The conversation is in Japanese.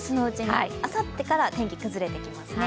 あさってから天気崩れてきますね。